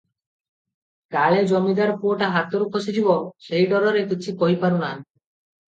କାଳେ ଜମିଦାର ପୁଅଟା ହାତରୁ ଖସିଯିବ, ସେହି ଡରରେ କିଛି କହି ପାରୁନାହାନ୍ତି ।